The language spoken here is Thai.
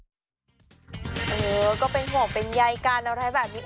ก็เป็นห่วงเป็นใยกันอะไรแบบนี้